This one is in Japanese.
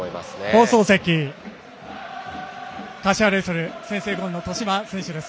放送席、柏レイソル先制ゴールの戸嶋選手です。